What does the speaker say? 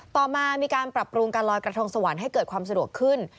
ต่อมามีการปรับปรุงการลอยกระทงสวรรค์ให้เกิดความสะดวกขึ้น